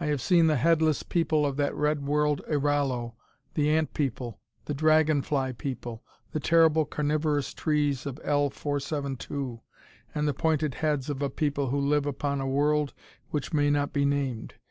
I have seen the headless people of that red world Iralo, the ant people, the dragon fly people, the terrible carnivorous trees of L 472, and the pointed heads of a people who live upon a world which may not be named.